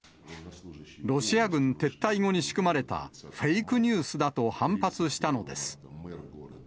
ロシア軍撤退後に仕組まれた、フェイクニュースだと反発したのです。